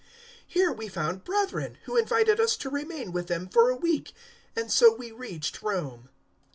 028:014 Here we found brethren, who invited us to remain with them for a week; and so we reached Rome.